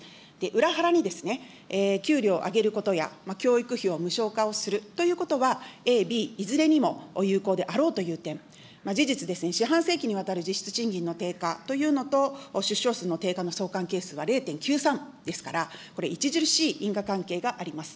裏腹に給料上げることや、教育費を無償化をするということは、Ａ、Ｂ、いずれにも有効であろうという点、事実、四半世紀にわたる実質賃金の低下というのと、出生数の低下の相関係数は０．９３ですから、著しい因果関係があります。